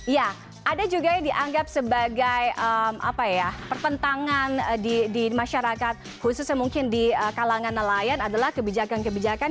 ya ada juga yang dianggap sebagai pertentangan di masyarakat khususnya mungkin di kalangan nelayan adalah kebijakan kebijakan